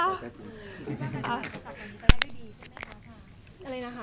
อันนี้ก็ได้ด้วยดีใช่มั้ยคะค่ะ